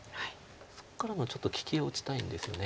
そこからのちょっと利きを打ちたいんですよね。